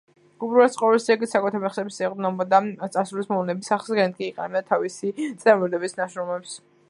უპირველეს ყოვლისა, იგი საკუთარ მეხსიერებას ეყრდნობოდა, წარსულის მოვლენების აღსადგენად კი იყენებდა თავისი წინამორბედების ნაშრომებს.